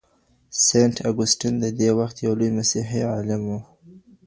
سینټ اګوستین د دې وخت یو لوی مسیحي عالم و.